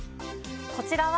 こちらは。